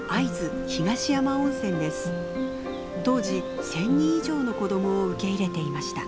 当時１，０００人以上の子どもを受け入れていました。